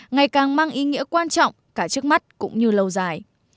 ngày càng mang ý nghĩa quan trọng cả trước mắt cũng như lâu dài